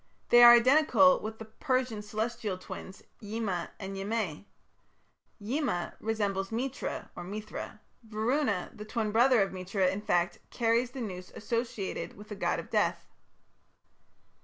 They are identical with the Persian Celestial twins, Yima and Yimeh. Yima resembles Mitra (Mithra); Varuna, the twin brother of Mitra, in fact, carries the noose associated with the god of death.